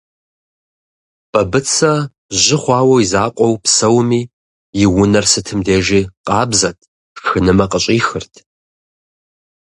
Бабыцэ жьы хъуауэ и закъуэу псэуми, и унэр сытым дежи къабзэт, шхынымэ къыщӏихырт.